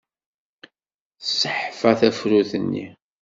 Tesseḥfa tafrut-nni.